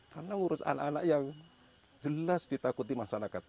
karena mengurus anak anak yang jelas ditakuti masyarakat